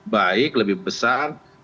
baik lebih besar